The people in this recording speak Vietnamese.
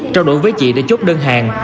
trao đổi với chị để chốt đơn hàng